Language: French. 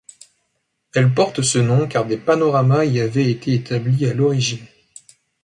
Elle porte ce nom car des panoramas y avaient été établis à l'origine.